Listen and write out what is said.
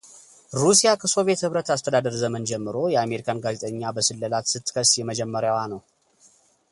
ሩሲያ ከሶቪየት ሕብረት አስተዳደር ዘመን ጀምሮ የአሜሪካን ጋዜጠኛ በስለላ ስትከስ የመጀመሪያዋ ነው።